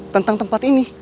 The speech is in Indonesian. tentang tempat ini